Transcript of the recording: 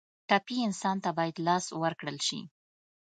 ټپي انسان ته باید لاس ورکړل شي.